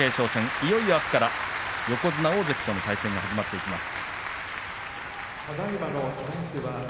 いろいろあすから横綱大関との対戦が始まります。